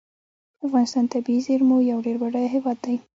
افغانستان د طبیعي زیرمو یو ډیر بډایه هیواد دی.